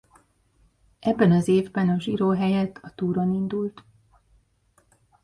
Ebben az évben a Giro helyett a Touron indult.